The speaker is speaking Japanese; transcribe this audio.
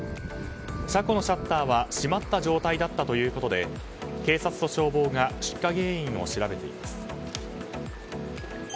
車庫のシャッターは閉まった状態だったということで警察と消防が出火原因を調べています。